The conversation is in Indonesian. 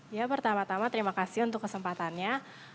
ya pertama tama terima kasih untuk kesempatannya